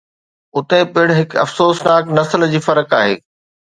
اتي پڻ هڪ افسوسناڪ نسل جي فرق آهي